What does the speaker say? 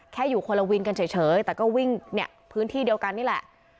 แค่อยู่คนละวินกันเฉยแต่ก็วิ่งเนี่ยพื้นที่เดียวกันนี่แหละ